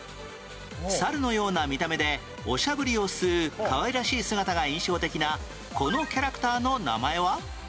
猿のような見た目でおしゃぶりを吸うかわいらしい姿が印象的なこのキャラクターの名前は？